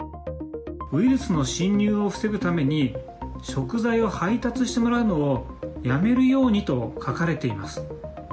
ウイルスの侵入を防ぐために、食材を配達してもらうのをやめるようにと書かれています。